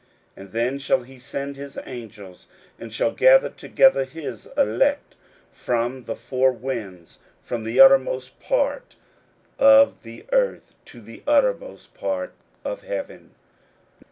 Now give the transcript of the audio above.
41:013:027 And then shall he send his angels, and shall gather together his elect from the four winds, from the uttermost part of the earth to the uttermost part of heaven.